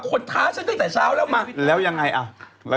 ท้าฉันตั้งแต่เช้าแล้วมาแล้วยังไงอ่ะแล้ว